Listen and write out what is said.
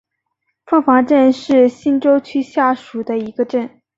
凤凰镇是新洲区下属的一个镇。